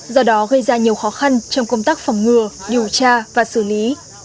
do đó gây ra nhiều khó khăn trong công tác phòng ngừa điều tra và xử lý